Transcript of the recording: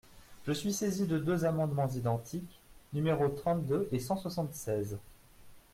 Je suis saisi de deux amendements identiques, numéros trente-deux et cent soixante-seize.